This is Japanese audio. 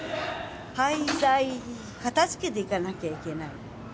廃材片づけていかなきゃいけないの。